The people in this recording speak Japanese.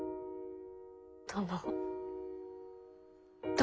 殿。